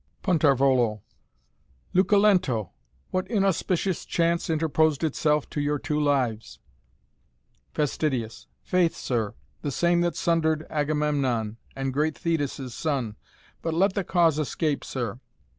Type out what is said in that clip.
"Punt. Luculento! What inauspicious chance interposed itself to your two lives? "Fast. Faith, sir, the same that sundered Agamemnon, and great Thetis' son; but let the cause escape, sir.